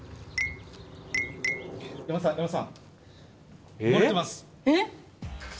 山田さん山田さん漏れてます。